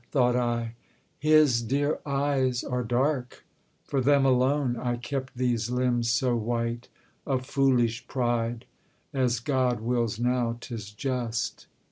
thought I. 'His dear eyes are dark; For them alone I kept these limbs so white A foolish pride! As God wills now. 'Tis just.'